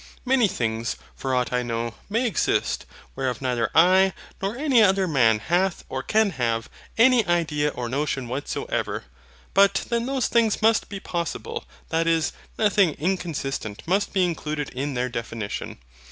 Many things, for aught I know, may exist, whereof neither I nor any other man hath or can have any idea or notion whatsoever. But then those things must be possible, that is, nothing inconsistent must be included in their definition.